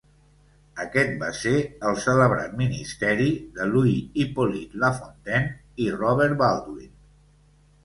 Aquest va ser el celebrat ministeri de Louis-Hippolyte Lafontaine i Robert Baldwin.